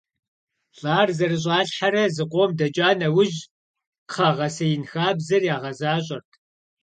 ЛӀар зэрыщӀалъхьэрэ зыкъом дэкӀа нэужь кхъэ гъэсеин хабзэр ягъэзащӀэрт.